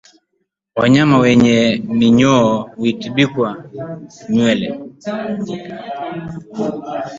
Wanyama wenye minyoo hutibuka nywele